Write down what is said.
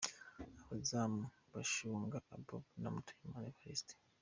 Abazamu: Bashunga Abouba na Mutuyimana Evariste.